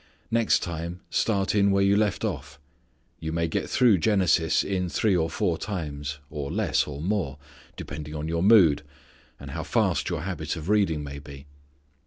Next time start in where you left off. You may get through Genesis in three or four times, or less or more, depending on your mood, and how fast your habit of reading may be.